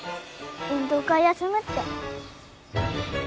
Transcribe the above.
運動会休むって。